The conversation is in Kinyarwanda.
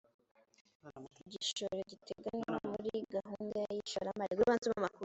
igishoro giteganywa muri gahunda y’ishoramari